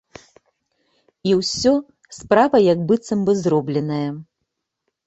І ўсё, справа як быццам бы зробленая.